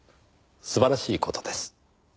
素晴らしい事です。